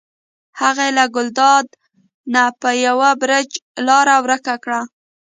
هغې له ګلداد نه په یو بړچ لاره ورکه کړه.